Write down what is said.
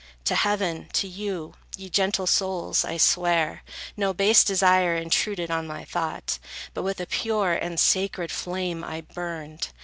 To heaven, to you, ye gentle souls, I swear, No base desire intruded on my thought; But with a pure and sacred flame I burned.